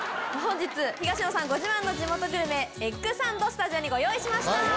本日東野さんご自慢の地元グルメエッグサンドをスタジオにご用意しました。